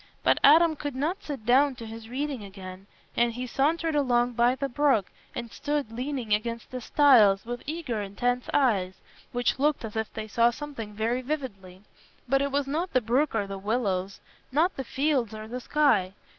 But Adam could not sit down to his reading again, and he sauntered along by the brook and stood leaning against the stiles, with eager intense eyes, which looked as if they saw something very vividly; but it was not the brook or the willows, not the fields or the sky.